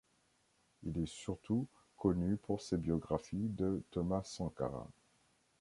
Il est surtout connu pour ses biographies de Thomas Sankara.